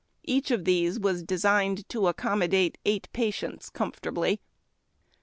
Each of these was designed to accommodate eight patients comfortably.